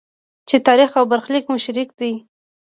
چې تاریخ او برخلیک مو شریک دی.